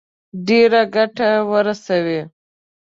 ډېره ګټه ورسوي.